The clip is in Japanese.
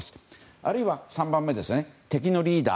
あるいは３番目の敵のリーダー。